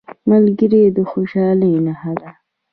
ملګری د خوشحالۍ نښه ده